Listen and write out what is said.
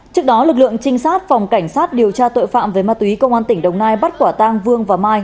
trước đó lực lượng trinh sát phòng cảnh sát điều tra tội phạm về ma túy công an tỉnh đồng nai bắt quả tang vương và mai